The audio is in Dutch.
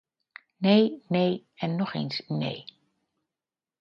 Nee, nee en nog eens nee!